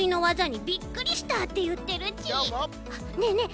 ねえねえ